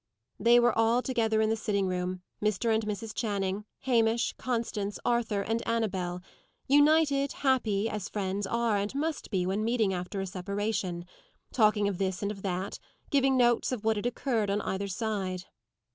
They were all together in the sitting room Mr. and Mrs. Channing, Hamish, Constance, Arthur, and Annabel; united, happy, as friends are and must be when meeting after a separation; talking of this and of that, giving notes of what had occurred on either side.